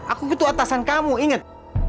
aku butuh atasan kamu inget